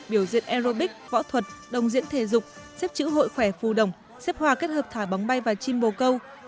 biểu diễn aerobic võ thuật đồng diễn thể dục xếp chữ hội khỏe phù đồng xếp hòa kết hợp thả bóng bay và chim bồ câu